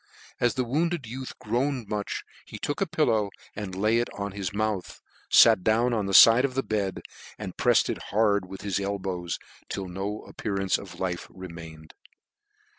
As the wounded youth groaned much, he took the pillow, and laying it on his mouth, fat dowo on the fide of the bed, and prefTed it hard with his elbow/ till no appear ance of life remained.